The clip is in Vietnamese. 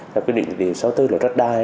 là quy định địa điểm sáu mươi bốn là đất đai